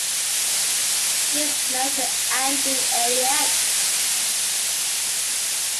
She is married to Andrew Elliott.